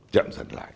chậm dần lại